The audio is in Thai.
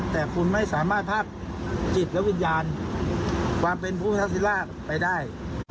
แต่คุณไม่สามารถภาพจิตและวิญญาณความเป็นพุทธศิราชไปได้